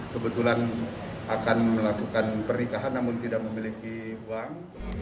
kebetulan akan melakukan pernikahan namun tidak memiliki uang